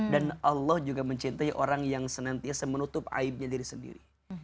dan allah juga mencintai orang yang senantiasa menutup aibnya diri sendiri